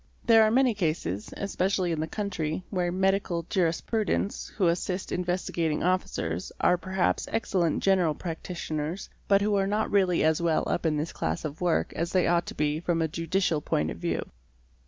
There are many cases, especially in the country, where "medical jurisprudents" who assist Investigating Officers are perhaps excellent general practitioners, but who are not really as well up in this class of work as they ought to be from a judicial point of view.